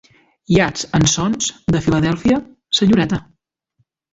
Yates and Sons de Filadèlfia, senyoreta.